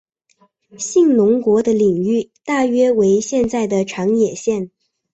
信浓国的领域大约为现在的长野县。